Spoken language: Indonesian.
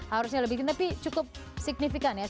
harusnya lebih tinggi tapi cukup signifikan ya